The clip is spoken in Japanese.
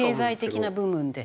経済的な部分で？